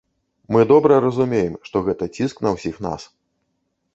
Мы добра разумеем, што гэта ціск на ўсіх нас.